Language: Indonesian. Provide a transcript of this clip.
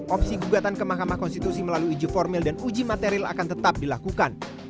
opsi gugatan ke mahkamah konstitusi melalui uji formil dan uji material akan tetap dilakukan